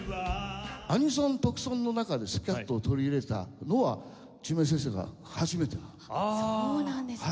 アニソン特ソンの中でスキャットを取り入れたのは宙明先生が初めてなんです。